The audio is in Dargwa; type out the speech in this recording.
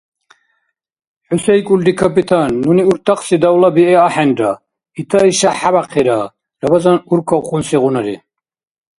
— Хӏу сейкӏулри, капитан?! Нуни уртахъси давла бигӏи ахӏенра, ита-иша хӏебяхъира, — Рабазан уркӏкавхъунсигъунари.